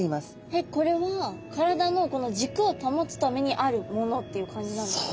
えっこれは体のじくを保つためにあるものっていう感じなんですか？